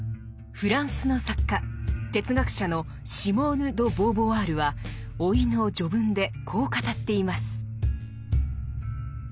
フランスの作家・哲学者のシモーヌ・ド・ボーヴォワールは「老い」の序文でこう語っています。